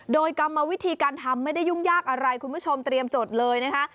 โดยกรรมวิธีการทำไม่ได้ยุ่งยากอะไรคุณผู้ชมเตรียมจดเลยนะคะ